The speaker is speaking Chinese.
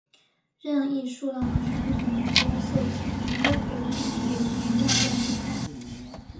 任意数量的全同玻色子都可以处于同样量子态。